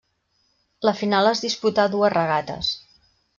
La final es disputà a dues regates.